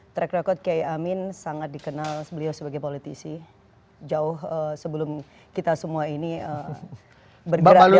track record kiai amin sangat dikenal beliau sebagai politisi jauh sebelum kita semua ini bergerak ya